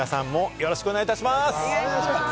よろしくお願いします。